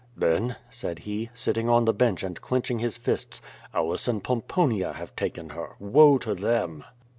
"Then/' said he, sitting on the bench and clenching his fists, "Aulus and Pomponia have taken her — ^woe to them."